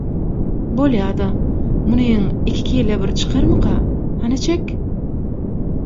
– Bolýa-da. Munyň iki kile bir çykarmyka, hany çek.